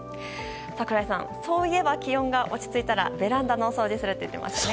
櫻井さん、そういえば気温が落ち着いたらベランダのお掃除するって言ってましたよね。